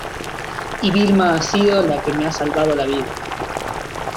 y Vilma ha sido la que me ha salvado la vida.